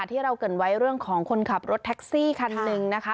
ที่เราเกิดไว้เรื่องของคนขับรถแท็กซี่คันหนึ่งนะคะ